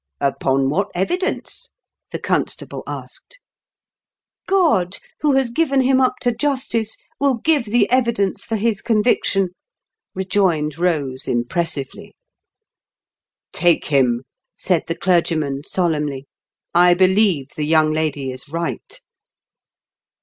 " Upon what evidence ?" the constable asked. *'God, who has given him up to justice, will give the evidence for his conviction," rejoined Kose impressively. " Take him," said the clergyman, solemnly. " I believe the young lady is right."